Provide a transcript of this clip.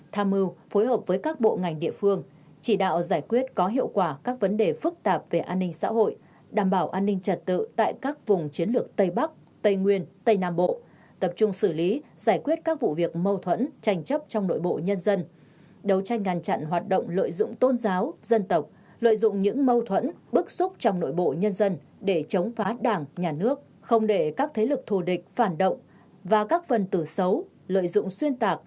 tham mưu phối hợp với các bộ ngành địa phương chỉ đạo giải quyết có hiệu quả các vấn đề phức tạp về an ninh xã hội đảm bảo an ninh trật tự tại các vùng chiến lược tây bắc tây nguyên tây nam bộ tập trung xử lý giải quyết các vụ việc mâu thuẫn tranh chấp trong nội bộ nhân dân đấu tranh ngăn chặn hoạt động lợi dụng tôn giáo dân tộc lợi dụng những mâu thuẫn bức xúc trong nội bộ nhân dân để chống phá đảng nhà nước không để các thế lực thù địch phản động và các phần tử xấu lợi dụng xuyên tạ